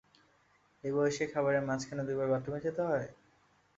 এই বয়সেই খাবারের মাঝখানে দুইবার বাথরুমে যেতে হয়?